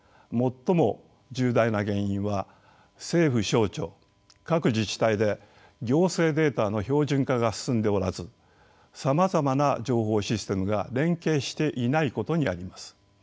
最も重大な原因は政府省庁各自治体で行政データの標準化が進んでおらずさまざまな情報システムが連携していないことにあります。